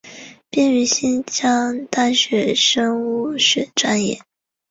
毕业于新疆大学生物学专业。